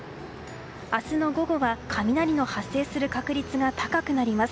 明日の午後は雷の発生する確率が高くなります。